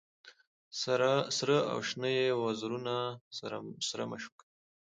سره او شنه یې وزرونه سره مشوکه